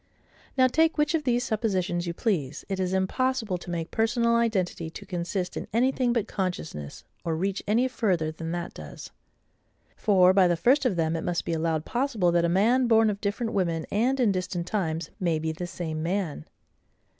Now, take which of these suppositions you please, it is impossible to make personal identity to consist in anything but consciousness; or reach any further than that does. For, by the first of them, it must be allowed possible that a man born of different women, and in distant times, may be the same man.